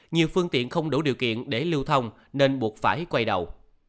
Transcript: nhiều phương tiện không đủ điều kiện để lưu thông nên buộc phải quay đầu